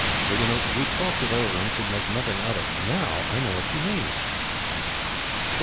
Well, you know, we talked it over, and could make nothing of it. Now I know what she means." "What!